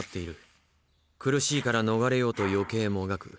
苦しいから逃れようと余計もがく。